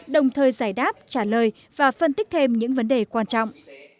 đồng thời giải đáp trả lời và phân tích thêm những vấn đề quan trọng